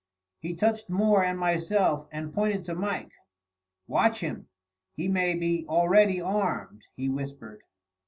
He touched Moore and myself, and pointed to Mike. "Watch him; he may be already armed," he whispered.